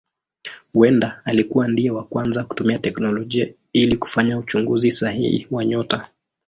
Huenda alikuwa ndiye wa kwanza kutumia teknolojia ili kufanya uchunguzi sahihi wa nyota.